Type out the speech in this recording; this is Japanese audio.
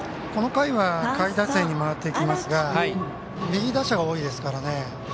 この回は下位打線に回っていきますが右打者が多いですからね。